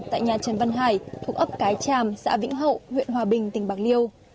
trần văn hải thuộc ấp cái tràm xã vĩnh hậu huyện hòa bình tỉnh bạc liêu